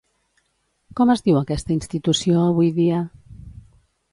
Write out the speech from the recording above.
Com es diu aquesta institució avui dia?